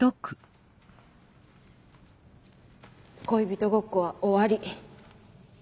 恋人ごっこは終わり。